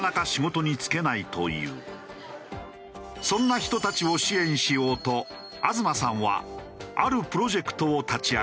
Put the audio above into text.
そんな人たちを支援しようと東さんはあるプロジェクトを立ち上げた。